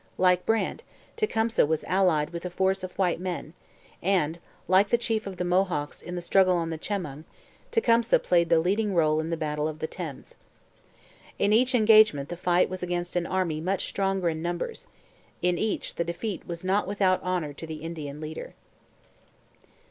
Like Brant, Tecumseh was allied with a force of white men, and, like the chief of the Mohawks in the struggle on the Chemung, Tecumseh played the leading role in the battle of the Thames. In each engagement the fight was against an army much stronger in numbers; in each the defeat was not without honour to the Indian leader.